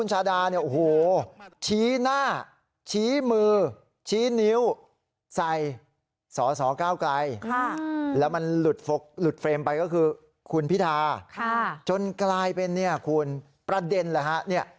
หลุดเฟรมไปก็คือคุณพิธาจนกลายเป็นเนี่ยคุณประเด็นแล้วฮะเนี่ย